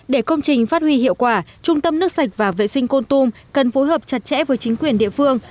để công trình phát huy hiệu quả trung tâm nước sạch và vệ sinh con tum cần phối hợp chặt chẽ với chính quyền địa phương